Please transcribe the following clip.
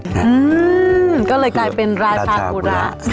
อืมก็เลยกลายเป็นรายพากุระ